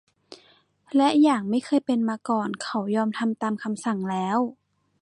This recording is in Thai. และอย่างไม่เคยเป็นมาก่อน เขายอมทำตามคำสั่งแล้ว